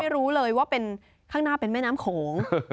ไม่รู้เลยว่าข้างหน้าเป็นแม่น้ำโขง